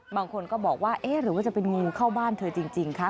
บางคนก็บอกว่าเอ๊ะหรือว่าจะเป็นงูเข้าบ้านเธอจริงคะ